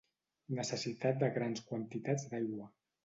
Necessitat de grans quantitats d'aigua.